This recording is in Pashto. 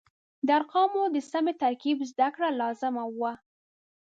د ارقامو د سمې ترکیب زده کړه لازمه وه.